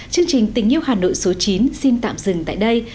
chương trình tình yêu hà nội số chín xin tạm dừng tại đây